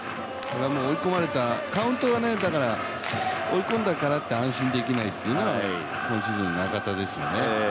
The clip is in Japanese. カウントが追い込んだからって安心できないのが、今シーズンの中田ですよね。